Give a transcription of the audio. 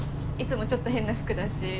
いつもちょっと変な服だし。